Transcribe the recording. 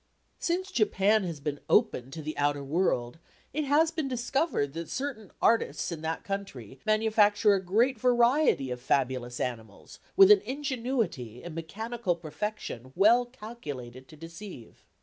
Since Japan has been opened to the outer world it has been discovered that certain "artists" in that country manufacture a great variety of fabulous animals, with an ingenuity and mechanical perfection well calculated to deceive.